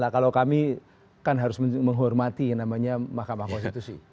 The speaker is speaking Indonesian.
kalau kami kan harus menghormati yang namanya mahkamah konstitusi